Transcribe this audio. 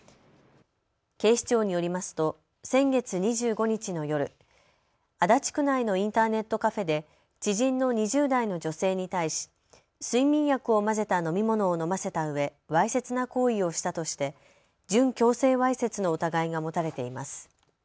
警視庁によりますと先月２５日の夜、足立区内のインターネットカフェで知人の２０代の女性に対し睡眠薬を混ぜた飲み物を飲ませたうえ、わいせつな行為をしたとして準強制わいせつの疑いが持たれています。